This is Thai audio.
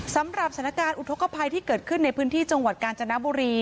สำหรับสถานการณ์อุทธกภัยที่เกิดขึ้นในพื้นที่จังหวัดกาญจนบุรี